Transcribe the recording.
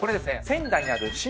仙台にある氏ノ